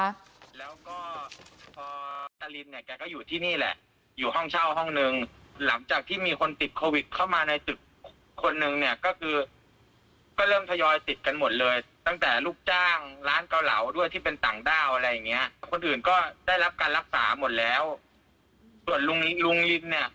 อะไรอย่างเงี้ยคนอื่นก็ได้รับการรักษาหมดแล้วตรวจลุงลินเนี่ย